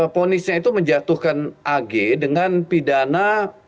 ponisinya itu menjatuhkan agh dengan pidana tiga ratus lima puluh lima lima puluh lima